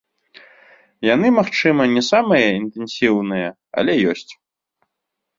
Яны, магчыма, не самыя інтэнсіўныя, але ёсць.